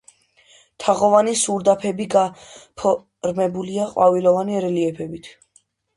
თაღოვანი სარდაფები გაფორმებულია ყვავილოვანი რელიეფებით.